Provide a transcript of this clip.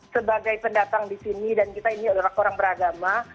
sebagai pendatang disini dan kita ini orang orang beragama